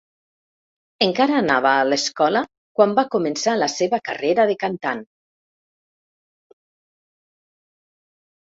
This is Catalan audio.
Encara anava a l'escola quan va començar la seva carrera de cantant.